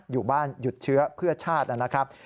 อยู่บ้านหยุดเชื้อเพื่อชาตินะครับ